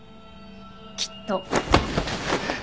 きっと。